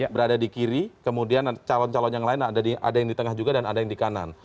berada di kiri kemudian calon calon yang lain ada yang di tengah juga dan ada yang di kanan